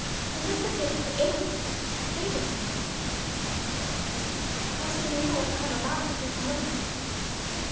They look as if the ink was fading from them. If Grosse knew what I am about at this moment!